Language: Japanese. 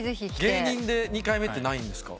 芸人で２回目ってないんですか？